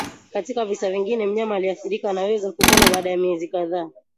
Katika visa vingine mnyama aliyeathirika anaweza kupona baada ya miezi kadhaa